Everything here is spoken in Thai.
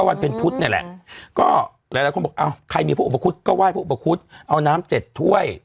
วันเพ็ญพุธนี่แหละก็หลายคนบอกอ้าวใครมีพระอุปคุฎก็ไห้พระอุปคุฎเอาน้ำเจ็ดถ้วย